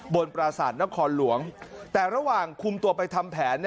บนประสาทนครหลวงแต่ระหว่างคุมตัวไปทำแผล